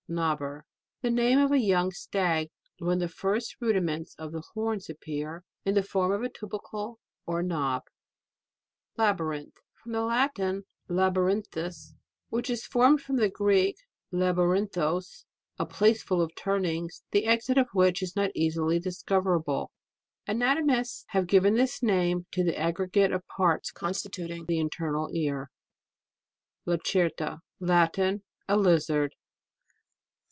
KNOBBER. The name of a young stag when the first rudiments of the horns appear in the form of a tuber cle or knob. LABYRINTH From the Latin, Inbyrin thuS) which is for rued from the Greek, laburintlios, a p'ace full of turnings, the exit of which is not easily dis coverable. Anatomists have given this name to the aggregate of parts, constituting the internal ear. LACERTA. Latin. A lizard.